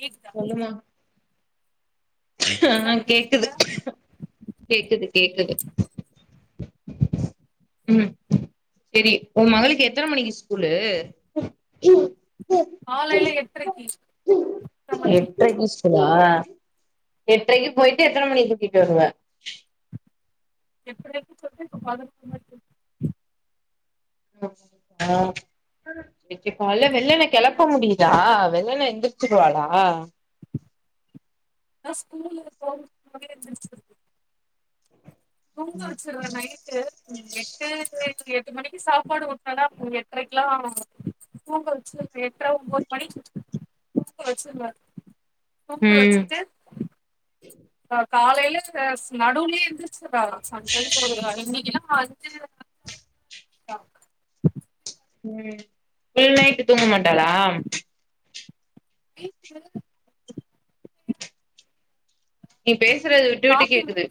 கேக்குதா சொல்லுமா என்ன ஆஹ் பண்ணிட்டு கேக்குது இருக்க கேக்குது கேக்குது உம் சரி உன் மகளுக்கு எத்தன மணிக்கு ஸ்கூலு காலைல எட்ரைக்கி எட்ர மணிக்கி ஐ எட்ரைக்கி போயிட்டு எத்தன மணிக்கு கூட்டிட்டு வருவ எப்டி இருக்குன்னு சொல்லு இப்ப [unintelligible] உ ஆ வெச்சுப்போ இல்ல ம் வெள்ளன கெளப்ப முடி [inaudible] வெள்ளல்ல எந்திரிச்சுவாளா நா ஸ்கூலு போகறதுக்கு முன்னாடியே எந்திருச்சிருது தூங்க ம் வெச்சிருவே நைட்டு ம் எ [inaudible] எட்டு மணிக்கு சாப்பாடு உட்டனனா எட்ரைக்கலா துங்க வச்சுடுவே எட்டரை ஒன்பது மணிக்கு துங்க வச்சிருவே தூங்க வெச்சிட்டு காலைல எஸ் நடுவுலயே எந்திரிச்சுருப் ஆ சம்டைம்ஸ் [unintelligible] ஆ ஐன்சி உம் இல்ல நைட்டு தூங்க மாட்டாளா [unintelligible] நீ பேசுறது விட்டுவிட்டு காஃபி கேக்குது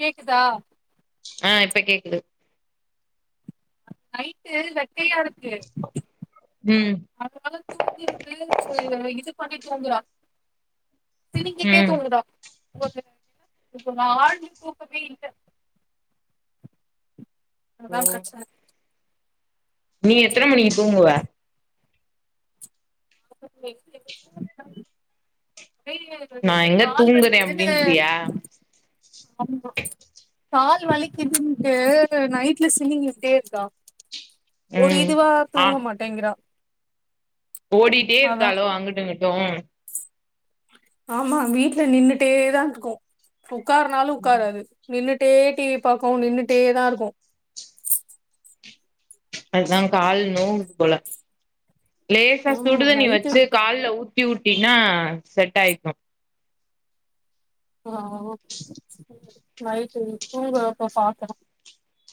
கேக்குதா ஆஹ் இப்ப கேக்குது நைட்டு வெட்கையா இருக்கு ம் அதனால தூங்கிருது சேரி இது பண்ணி தூங்குறா சினிங்கிட்டே ம் தூங்குதா ஒரு ஆள் தூக்கமே இல்லை ஓ தான் பிரச்னை நீ எத்தனை மணிக்கு தூங்குவ [inaudible] நான் எங்க கால் தூங்குறேன் வலிக்குதுன்னு அப்படின்றியா ஆமா கால் வலிக்கிதுண்ட்டு நைட்ல சினிங்கிட்டே இருக்கா ஒரு ம் இதுவா ஆ தூங்க மாட்டேங்கிறா ஓடிட்டே அதா இருக்களோ அங்கட்டு இங்கட் உம் ஆமா வீட்டுல நின்னுட்டே தான் இருக்கும் உக்காருன்னாலும் உக்காராது நின்னுட் ன்னுட்டே டிவி பாக்கும் நின்னுட்டே தான் இருக்கும் அதான் கால் நோவுது போல லேசா ஆமா சுடுதண்ணி நைட்டு வச்சு கால்ல ஊத் டியூட்டினா செட் ஆய்க்கும் ஆஹ நைட்டு தூங்குறப்ப பாக்றோம்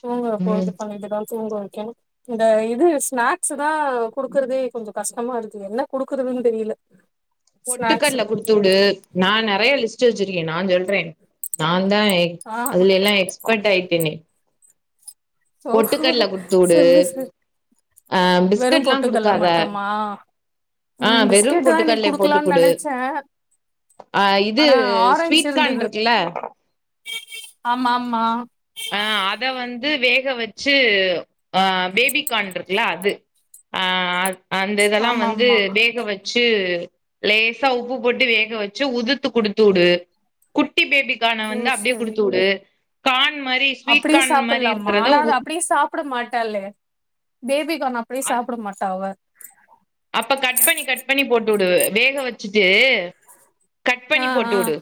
தூங்கரப்போ ம் இது பண்ணிட்டுதான் தூங்க இந்த இது ஸ்நாக்ஸ் தான் குடுக்குறதே கொஞ்சம் கஷ்டமா இருக்கு என்ன குடுக்குறதுன்னு தெரியல ஸ்நாக்ஸ் பொட்டுக்கடல குடுத்து விடு நான் நிறையா லிஸ் சேர் சேரி நான் சொல்றேன் நான் ஆ அதுல எல்லாம் எக்ஸ்பர்ட் ஆயி தின்னி ஓ பொட்டுக்கடல குடுத்து விடு சொல்லு சொல் அஹ் வெறு பிஸ்கட்லாம் பொட்டுக்கல்ல குடுக்காத மட்டுமா ம் ஆஹ் வெறும் பிஸ்கெட் தா இன்னைக்கு பொட்டுக்கடல குடுக்கலான்னு போட்டுக்குடு நெனைச்சே அஹ் இது ஆனா ஆரஞ்சு ஸ்வீட் கான் இருந்தது இருக்குல ஆமா ஆமா அஹ் அத வந் த வேக் ங்க வச்சு ஆஹ் பேபிகான் இருக்குல அது அ அந்ததெல்லாம் ஆமா வந்து ஆமா வேக வச் சீர் லேசா உப்பு போட்டு வேக வச்சு உதுத்து குடுத்து உடு உட் குட்டி பேபிக்கான வந்து ம் அப்படியே சரி குடுத்து உடு கான் மாரி ஸ்வீட் கான் மாரி இரு ஆன அத அப்படியே சாப்ட மாட்டாளே பேபி அப்டியே அ சாப்ட மாட்டா அவ அப்ப கட் பண்ணி கட் பண்ணி போட்டுடு வேக வச்சுட்டு கட் ஆ பண்ணி போட்டு ஆ விடு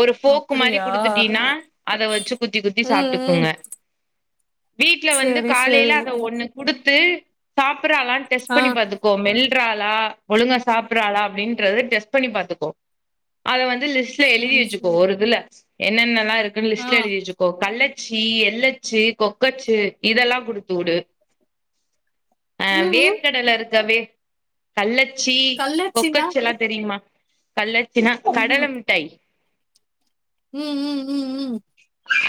ஒரு ஃபோர்க் மாரி அப்டியா குடுத்துட்டீன்னா அத வச்சு குத்தி குத்தி ம் ம் சாப்பிட்டுக்குங்க வீட்ல வந்து சேரி காலையில சேரி அத ஒண்ணு குடுத்து சாப்பராளானுட்டு ஆ ப்பண்ணி பாத்துக்கோ மில் ட்றாளா ஒழுங்கா சாப்டுறாளா அப்டின்றது டெஸ்ட் பண்ணி பாத்துக்கோ அத வந்து அது லிஸ்ட்ல எழுதி சேரி வச்சுக்கோ சேரி ஒரு இதுல என்னென்ன எல்லா இருக் ஆ லிஸ்ட்ல எழுதிச்சுக்கோ கல்ல ச்சி எள்ளச்சு கொக்கச்சு இதெல்லா குடுத்து விடு ஆஹ் ம் வேர் ம் ருக்கவே கள்ள சி கல்லாச்சின்னா கொக்கச்சி எல்லாம் தெரியுமா கல்ல த்தினா கடல மிட்டாய் உம் உம் உம் உம்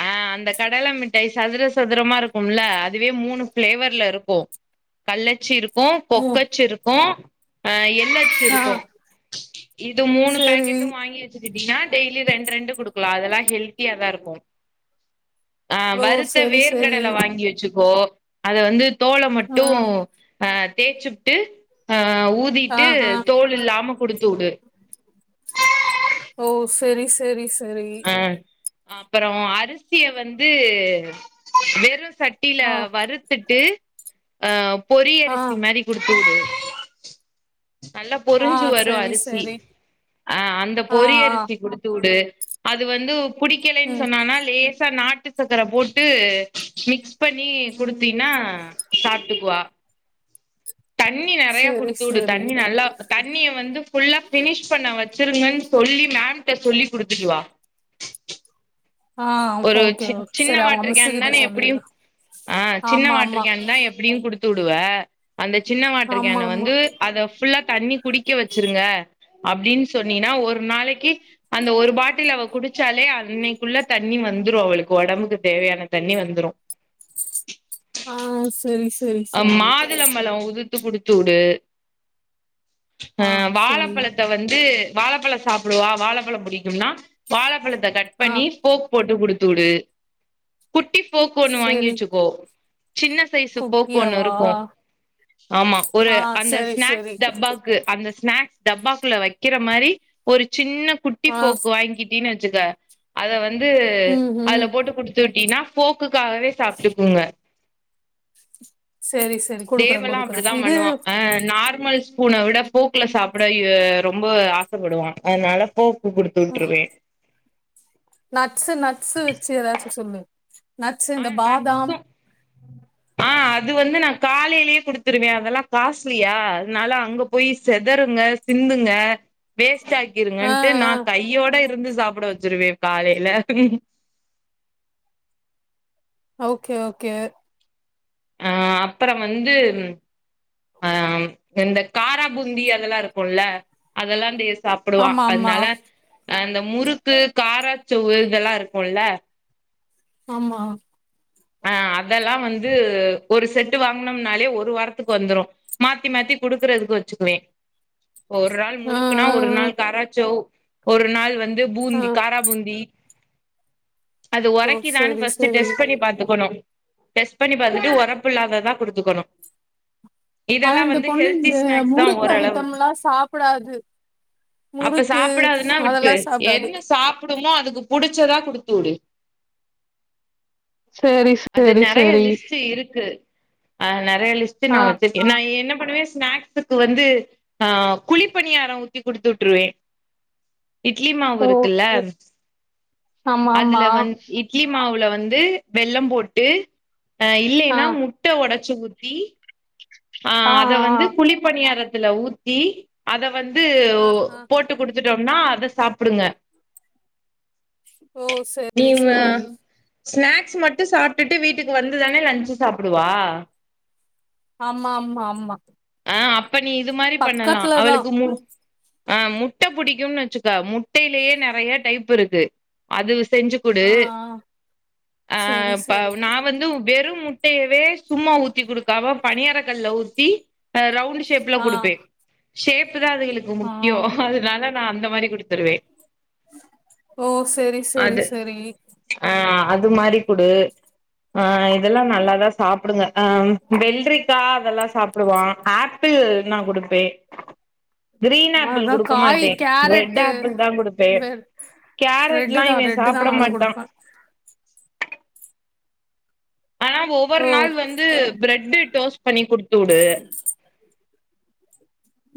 ஆஹ் அந்த கடல மிட்டாய் சதுர சதுரமா இருக்கும்ல அதுவே மூணு ஃபிளேவர்ல இருக்கும் கல்லச்சி இருக் க்கும் ஓ பொக்கச்சு இருக்கும் அஹ் எள்ளச்சும் ஆ இருக்கும் இது மூணு சேரி பேக்கட்டும் வாங்கிச்சு எப்டினா டெய்லி ரெண்டு ரெண்டு குடுக்கலா அதெல்லா ஹெல்த்தியாதா இருக்கும் ஆஹ் ஓ வறுத்த சேரி சேரி வேர்க்கடல வாங்கி வச்சுக்கோ அத வந்து தோல ஆ மட்டு ஹ தேய்ச்சுப்புட்டு ஹ ஆ ஊதிட்டு ஆ தோல் இல்லாம குடுத் த்தூடு ஓ சரி சரி சரி அப்புறம் அரிசிய வந்து வெரும் சட்டில ஆ வறுத்துட்டு ஆ பொரி ஆ அரிசி மாரி குடுத்துடு நல்லா ஆ பொரிஞ்சு வரும் சேரி அரிசி சேரி ஆஹ அந்த ஆ பொறி ஆ அரிசி குடுத்துடு அது வந்து புடிக்கலனு ம் சொன்னானா லேசா நாட்டு சக்கர போட்டு மிக்ஸ் பண்ணி குடுத் த்தினா சாப்ட்டுக்குவா தண்ணி நெறய சேரி குடுத்து விடு சேரி தண்ணி நல்லா தண்ணிய வந்து ஃபுல்லா பினிஷ் பண்ண வச்சுருங்கன்னு சொல்லி மேம்கிட்ட சொல்லி் குடுத்துட்டு வா ஆ ஒரு ஓகே சின் ஓகே சின்ன சேரி அவங்க வாட்ரு மிஸ்ஸு கிட்ட கேனுதான எப்படியு சொல்லிட்றே ஆஹ் சின்ன ஆமா வாட்ரு ஆமா கேன்தா எப்படியும் குடுத் துடுவ அந்த சின்ன ஆமா வாட்ருகேன ஆமா வந்து அத ஃபுல்லா தண்ணி குடிக்க வச்சுருங்க அப்டின்னு சொன்னீனா ஒரு நாளைக்கி அந்த ஒரு பாட்டில் அவ குடிச்சாலே அன்னைக்குள்ள தண்ணி வந்துரும் அவளுக்கு ஒடம்புக்கு தேவையான தண்ணி வந்துரும் ஆ சேரி சேரி அஹ் சேரி மாதுளம்பழோ உதுத் த்து குடுத்துடு ஆ அஹ் சேரி வாழப்பழத்த வந்து வாழப்பழ சாப்டுவா வாழப்பழம் புடிக்கும்னா வாழப்பழத் அத கட் ஆ பண்ணி ஃபோர்க் போட்டு குடுத் த்து விடு ட்டி ஃபோர்க் ஒண்ணு வாங்கி செரி வச்சுக்கோ சின்ன சைஸ் போக்கு ஒன்னு குட்டியாவா இருக்கும் ஆமா ஒரு ஆ அந்த செரி ஸ்நாக்ஸ் செரி டப்பாக்கு அந்த ஸ்நாக்ஸ் டப்பாக்குள்ள வைக்கிற மாரி ஒரு சின்ன குட்டி ஆ ஃபோர்க்கு வாங்கிட் த்தினு வச்சுக்க அத வந் வந்து ம் அதுல ம் போட்டு குடுத்து விட்டியினா போக்குக்காகவே சாப்டுக்குங்க செரி செரி குடுக்குறே தேவ் எல்லா குடுக்குறே அப்பிடிதா இது பண்ணுவா அஹ் நார்மல் பூன விட ஃபோர்க்ல சாப்ட ஆ ரொம்ப ஆசப்படுவா அதனால ஃபோர்க் ஆ நட்ஸ் நட்ஸ் வச்சு ஏதாச்சு சொல்லு நட்ஸு இந்த ஆஹ் பாதாம் நட்ஸும் ஆஹ் அது வந்து நா காலையிலயே குடுத்துருவே அதெல்லா காஸ்ட்லியா அதனால அங்க போய் செதறுங்க சிந்துங்க வேஸ்ட் ஆ ஆக்கிருங்கன்ட்டு நான் கையோட இருந்து சாப்பிட வச்சுருவே காலைல ஓகே ஓகே அ அப்பற வந்து ஆ இந்த காராபூந்தி அதெல்லா இருக்கும்ல அதெல்லா இந்த ஸ் சாப்டுவா ஆமா ஆமா அதனால அந்த முறுக்கு காராச்சோவு இதெல்லா இருக்கும்ல ஆமா ஆஹ் அதெல்லா வந்து ஒரு செட்டு வாங்கனம்னாலே ஒரு வாரத்துக்கு வந்துரு மாத்தி மாத்தி குடுக்குறதுக்கு வச்சுக்குவே ஒரு நாள் ஆ முறுக்குனா ஒரு ஆ நாள் காராச்சேவ் ஒரு நாள் வந் து பூந் ஆ காரா பூந்தி அது ஓ ஒரைக்கிதான்னு செரி ஃபஸ்ட்டு செரி டெஸ்ட் பண்ணி பாத்து [unintelligible] டெஸ்ட் பண்ணி பாத்துட்டு ஓரப்பு இல்லாததா குடுத்துக்கணு ஆனா இதெல்லா இந்த வந்து பொண்ணு ஹெல்தி இந்த ஸ்நாக்ஸ்தா முறுக்கு ஓரளவு ஐட்டம்லா சாப்டாது அப்ப முறுக்கு சாப்டாதுன்னா விட்டு அதெல்லா சாப்டாது என்ன சாப்புடுமோ அதுக்கு புடிச்சதா குடுத்து வுடு சரி அது சரி சரி ஆனா ஆ லிஸ்ட் நான் வச்சிருக்கே நா என்ன பண்ணுவே ஸ்நாக்ஸுக்கு வந்து ஆஹ் குழிப்பணியாரோ ஊத்தி குடுத்து வுட்ருவே இட்லி மாவு ஓ இருக்குல்ல ஆமா அதுல ஆமா வந் இட்லி மாவுல வந்து வெல்லம் போட்டு ஆ இல்லைன்னா ஆ முட்டை ஒடச் ச்ச ஊத்தி ஆ ஆ ஆஹ் அத ஆ. வந்து குழிப்பணியாரத் துல ஊத்தி அத வந்து ஆஹா போட்டு குடுத் குடுத்துட்டோம்னா அத சாப்டுங்க ஓ சரி நீங்க சரி ஸ்நாக்ஸ் மட்டு சாப்ட்டுட்டு வீட்டுக்கு வந்துதானே லஞ்ச்சு சாப்புடுவா ஆமா ஆமா ஆமா பண்ணி இது மாரி பண்ணலா பக்கத்துலதா அவளுக்கு மூ ஆஹ் முட்டை புடிக்கும்னு வச்சுக்க முட்டையிலேயே நெறைய டைப் இருக்கு அது செஞ்சு குடு ஆ ஆ செரி ஆஹ் ப செரி நா வந்து வெறும் முட்டையவே சும்மா ஊத்தி குடுக்காம பணியாரக் க்கல்ல ஊத்தி் ஆ ரவுண்ட் [unintelligible] ஷேப்ல ஆ குடுப்பே ஷேப் க்குதா அதுகளுக்கு ஆ முக்கியோ அதுனால நா அந்த மாரி குடுத்துருவே ஓ சரி சரி அது சரி ஆ அது மாரி குடு ஆ இதெல்லா நல்லாதா சாப்பிடுங்க அம் வெள்ரி த்தா அதெல்லா சாப்டுவா ஆப்பிள் நா குடுப்பே கிரீன் ஆப்பிள் அதா குடுக்க காய் மாட்டே ரெட் கேரட்டு ஆப்பிள்தா குடுப்பே வெ ரெட்டு கேரட்லா தா இவன் ரெட்டு தா சாப்ட நானு மாட்டா குடுப்பே ஆனா ஒவ்வொரு ஓ நாள் வந்து பிரெட் டோஸ்ட் பண்ணி குடுத்துவுடு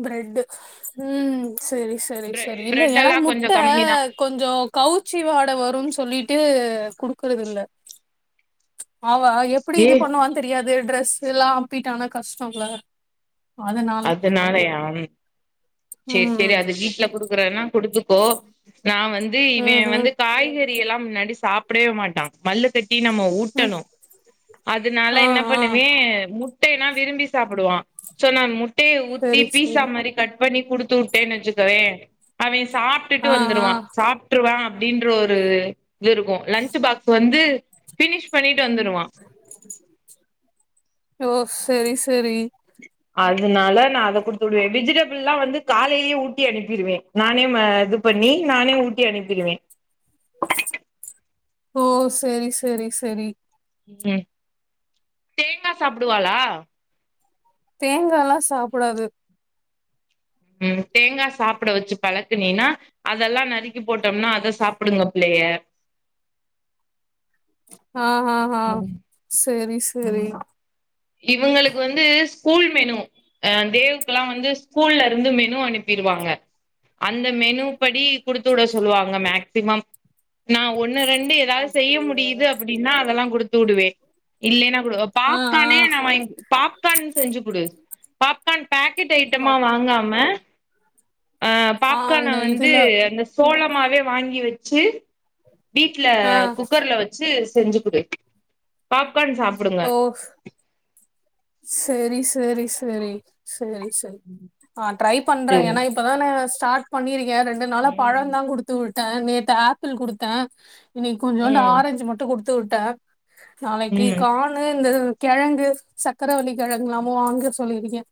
பிரெட் உம் செரி செரி பிரெ செரி இல்ல பிரெட் ஏன்னா எல்லா முட்ட கொஞ்சோ கம்மி தா கொஞ்சம் கவுச்சி வாட வரும்னு சொல்லிட்டு ட்டு குடுக்கறது இல்ல அவ எப்டி ஏ இது பண்ணுவான்னு தெரியாது ட்ரெஸ் எல்லாம் அப்பிட்ட ஆனா கஷ்டம்ல அதனால [unintelligible] சேரி சேரி ம் அது வீட்ல குடுக்கறதுனா குடுத்துக்கோ நா வந் து இவ ம் ம் வந்து காய்கறி எல்லா முன்னாடி சாப்பிடவே மாட்டா மல்லுக்கட்டி நம்ம ம் ஊட்டணும் அதனால ஆ என்ன ஆ பண்ணுவே முட்டைனா விரும்பி சாப்பிடுவான் சோ நா மு [unintelligible] ஊத்தி செரி பீட்சா செரி மாரி கட் பண்ணி குடுத்து வுட்டேன்னு வச்சுக்கவே அவ [unintelligible] சாப்பிட்டு ஆ ஆ வந்துருவான் சாப்பிட்ருவான் அப்டின்ற ஒரு இது இருக்கும் லன்ச் பாக்ஸ் வந்து ஃபினிஷ் பண்ணிட் ஓ செரி செரி அதனால நா அத குடுத்து விடுவே வெஜிடபிள்லா வந்து காலைலயே ஊட்டி அனுப்பிருவே நானே ஆ இது பண்ணி நானே ஊட்டி அனுப்பிடுவே ஓ செரி செரி செரி ம் ம் தேங்கா சாப்டுவாளா தேங்கா எல்லாம் சாப்பிடாது உம் தேங்கா சாப்பட வச்சு பழக்குனியினா அதெல்லா நறுக்கி போட்டோம்னா அத சாப்பிடுங்க புள்ளைக ஆஹ ஆஹ்ஆஹ ஸ் தெரி சரி இவங்களுக்கு வந்து ஸ்கூல் மெனு அஹ் தேவுக்குெல்லாம் வந்து ஸ்கூல்ல இருந்து மெனு அனுப்பிருவாங்க அந்த மெனு ப்படி குடுத்து விட சொல்லுவாங்க மேக் திவாம் நான் ஒன் ரெண்டு ஏதாவது செய்ய அப்டியா முடியுது அப்படின்னா அதெல்லாம் குடுத்து உடுவேன் இல்லேன்னா கொடு ஆ பாப் ஆ காணே நான் வாய்ங் பாப்கார்ன் செஞ்சு குடு பாப்கான் பேக்கெட் ஐட்டமா பாக்கோ வாங்காம ஆஹ் ஆ பாப்கான அந்த வந்து இதுல அந்த சோளப் உப்மாவே வாங்கி வச்சீ வீட்ல ஆ குக்கர்ல வச்சீ செஞ்சிகுடு பாப் உக்கான் சாப்டுங்க சரி சரி சரி சரி சரி ஆ ட்ரை பண்றேன் ம் ஏன்னா இப்பதானே ஸார்ட் பண்ணிரிங் ரெண்டு நாளா பழம் தா ம் குடுத்து வுட் டுத்த நேத்து ஆப்பிள் குடுத்தே இன்னைகி கொஞ்டு ஆரஞ்சு மட்டு குத் தூட்ட நாளைக்கி ம் கானு இந்ததூ கெழங்கு சத் சக்கரவலி கெழங்கலாமோ வாங்க சொல்லிருக்கே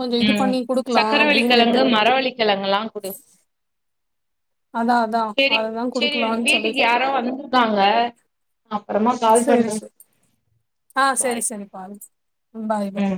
கொஞ்சோ இது உம் பண்ணி குடுக்கலா அப்டின்னுட்டு சக்கரவளிகெழங்கு மரவள்ளிகெழங்கெல்லாம் குடு அதான் அதான் சேரி அததான் சேரி எனக்கு குடுக்கலாம்னு வீட்டுக்கு சொல்லிட்டு யாரோ வந்திருக்காங்க நா அப்பறமா கால் சேரி பண்றே சேரி ஆஹ் பாய் சேரி சேரி பாருங் பாய் பாய் ம்